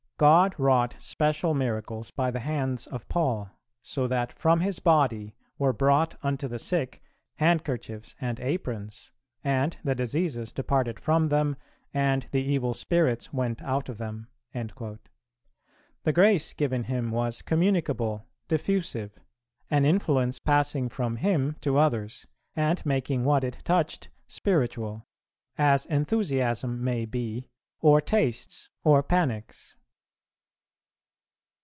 "God wrought special miracles by the hands of Paul, so that from his body were brought unto the sick handkerchiefs and aprons, and the diseases departed from them, and the evil spirits went out of them." The grace given him was communicable, diffusive; an influence passing from him to others, and making what it touched spiritual, as enthusiasm may be or tastes or panics.